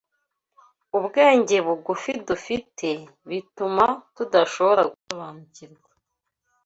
ubwenge bugufi dufite bituma tudashobora gusobanukirwa